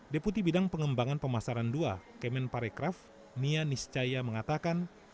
deputi bidang pengembangan pemasaran dua kemen parekraf nia niscaya mengatakan